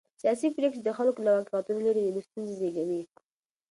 سیاسي پرېکړې چې د خلکو له واقعيتونو لرې وي، نوې ستونزې زېږوي.